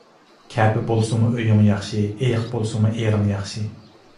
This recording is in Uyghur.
كەپە بولسىمۇ ئۆيۈڭ ياخشى، ئېيىق بولسىمۇ ئېرىڭ ياخشى.